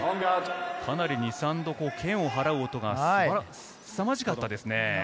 かなり２、３度、剣をはらう音がすさまじかったですね。